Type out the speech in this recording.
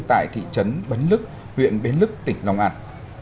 tại thị trấn bến lức huyện bến lức tỉnh long an